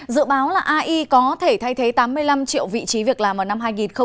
dự báo là ai có thể thay thế tám mươi năm triệu vị trí việc làm ở năm hai nghìn hai mươi